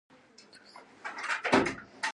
په همدې سره د ورځني مزد کارګرانو لښکر رامنځته شو